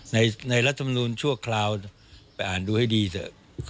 ในศาลรัฐธรรมนุนชั่วคราวไปอ่านดูให้ดีเถอะ